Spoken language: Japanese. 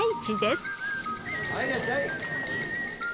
はいいらっしゃい！